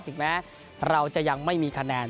ถึงแม้เราจะยังไม่มีคะแนน